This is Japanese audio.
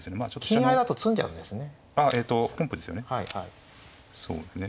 金だと詰んじゃうんですね。